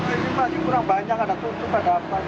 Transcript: ini masih kurang banyak ada tutup ada apa